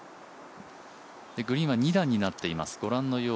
グリーンは２段になっています。